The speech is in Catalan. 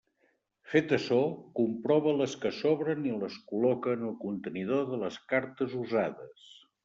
Fet açò, comprova les que sobren i les col·loca en el contenidor de les cartes usades.